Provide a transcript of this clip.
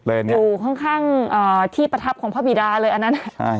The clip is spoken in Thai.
แรงเนี้ยดูค่อนข้างอ่าที่ประทับของพระบิดาเลยอันนั้นใช่